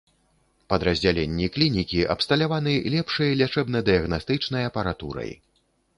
Падраздзяленні клінікі абсталяваны лепшай лячэбна-дыягнастычнай апаратурай.